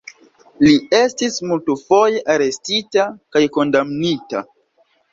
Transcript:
Li estis multfoje arestita kaj kondamnita.